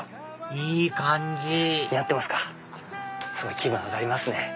いい感じすごい気分上がりますね。